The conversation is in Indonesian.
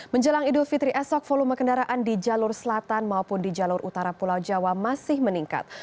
menjelang idul fitri esok volume kendaraan di jalur selatan maupun di jalur utara pulau jawa masih meningkat